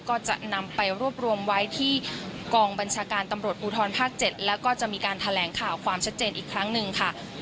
ก็จะนำไปรวบรวมไว้ที่กองบัญชาการตำรวจภูทรภาค๗แล้วก็จะมีการแถลงข่าวความชัดเจนอีกครั้งหนึ่งค่ะ